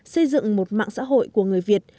xây dựng một mạng xã hội của người việt